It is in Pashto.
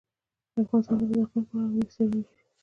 افغانستان د بزګان په اړه علمي څېړنې لري.